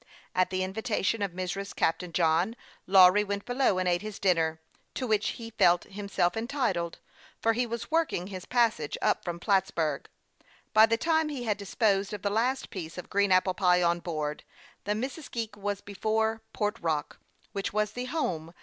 At the invitation of Mrs. Captain John, Lawry went below and ate his dinner, to which he felt himself entitled, for he was working his passage up from Plattsburg. By the time he had disposed of the last piece of green apple pie on board, the Missisque was before Port Rock, which was the home THE YOUNG PILOT OF LAKE CHAMPLAIX.